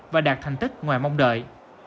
và đạt thành tích ngoài mong đợi